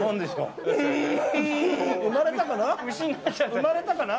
生まれたかな？